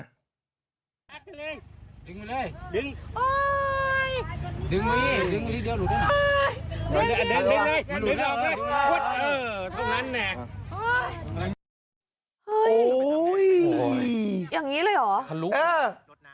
อย่างนี้เลยหรอเออ